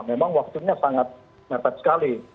memang waktunya sangat mepet sekali